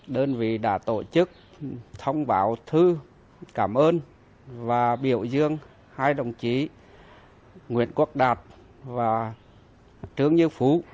đơn vị đã tổ chức thông báo thư cảm ơn và biểu dương hai đồng chí nguyễn quốc đạt và trương như phú